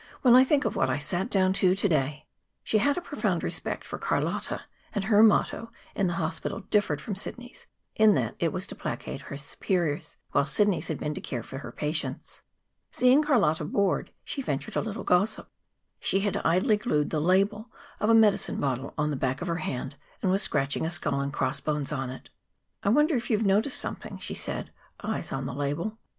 When I think of what I sat down to to day !" She had a profound respect for Carlotta, and her motto in the hospital differed from Sidney's in that it was to placate her superiors, while Sidney's had been to care for her patients. Seeing Carlotta bored, she ventured a little gossip. She had idly glued the label of a medicine bottle on the back of her hand, and was scratching a skull and cross bones on it. "I wonder if you have noticed something," she said, eyes on the label.